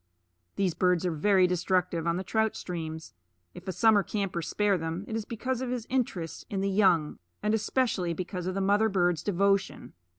These birds are very destructive on the trout streams; if a summer camper spare them, it is because of his interest in the young, and especially because of the mother bird's devotion.